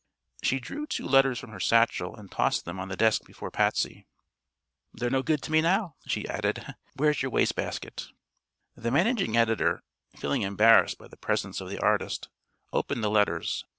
She drew two letters from her satchel and tossed them on the desk before Patsy. "They're no good to me now," she added. "Where's your waste basket?" The managing editor, feeling embarrassed by the presence of the artist, opened the letters.